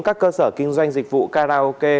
các cơ sở kinh doanh dịch vụ karaoke